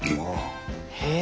へえ！